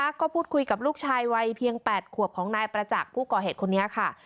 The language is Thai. ก็พูดคุยกับลูกชายวัยเพียง๘ขวบของนายประจักษ์ผู้ก่อเหตุคนนี้ค่ะ